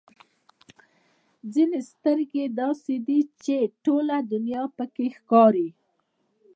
ځینې سترګې داسې دي چې ټوله دنیا پکې ښکاري.